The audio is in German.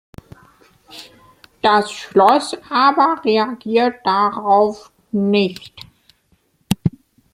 Das Schloss aber reagiert darauf nicht.